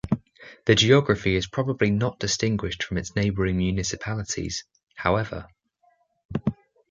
The geography is probably not distinguished from its neighbouring municipalities however.